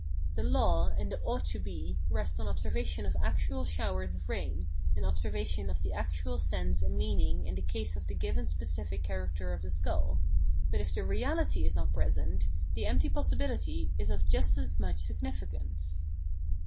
The " law " and the " ought to be " rest on observation of actual showers of rain, and observation of the actual sense and meaning in the case of the given specific character of the skull ; but if the reality is not present, the empty possibihty is of just as much significance.